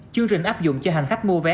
chương trình áp dụng cho hành khách mua vé